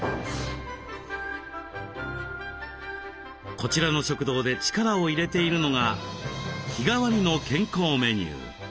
こちらの食堂で力を入れているのが日替わりの健康メニュー。